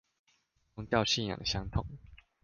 宗教信仰相同